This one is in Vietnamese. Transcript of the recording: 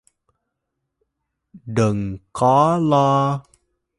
Đừng có lo